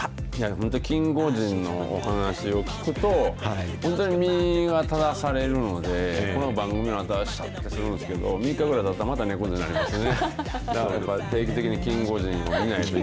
本当、キンゴジンのお話を聞くと、本当に、身が正されるので、この番組のあと、しゅっとするんですけど、３日ぐらいたったらまた猫背になりますね。